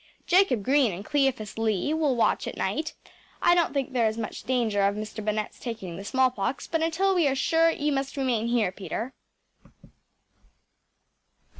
Jacob Green and Cleophas Lee will watch at night. I don’t think there is much danger of Mr. Bennett’s taking the smallpox, but until we are sure you must remain here, Peter.